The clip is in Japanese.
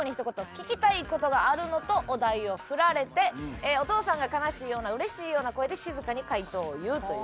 「聞きたい事があるの」とお題を振られてお父さんが悲しいようなうれしいような声で静かに回答を言うという。